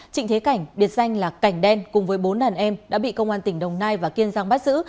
trịnh thế cảnh biệt danh là cảnh đen cùng với bốn đàn em đã bị công an tỉnh đồng nai và kiên giang bắt giữ